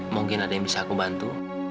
mungkin ada yang bisa aku bantu